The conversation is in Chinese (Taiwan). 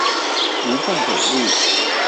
吳鳳北路